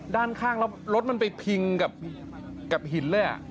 ด้านข้างรถมันไปพิงกับหินเลยอ่ะ